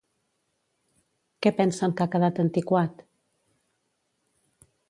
Què pensen que ha quedat antiquat?